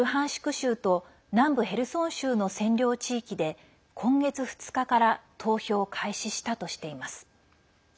州と南部ヘルソン州の占領地域で今月２日から投票を開始したとしています。